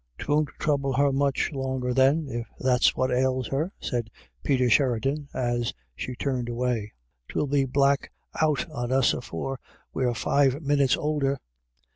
" 'Twon't trouble her much longer then, if that's what ails her," said Peter Sheridan, as she turned away ;" 'twill be black out on us afore we're five minyits oulder.